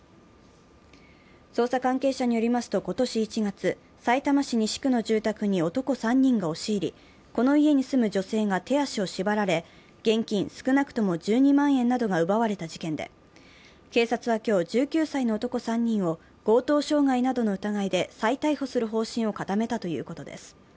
捜査関係者によりますと、今年１月さいたま市西区の住宅に男３人が押し入り、この家に住む女性が手足を縛られ、現金少なくとも１２万円などが奪われた事件で警察は今日、１９歳の男３人を強盗傷害などの疑いで再逮捕する方針を固めたということです。